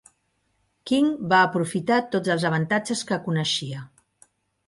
King va aprofitar tots els avantatges que coneixia.